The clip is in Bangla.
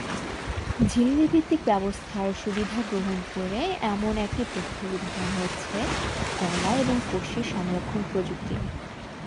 ঝিল্লি-ভিত্তিক ব্যবস্থার সুবিধা গ্রহণ করে এমন একটি প্রক্রিয়ার উদাহরণ হচ্ছে "কলা এবং কোষীয় সংরক্ষণ প্রযুক্তি"।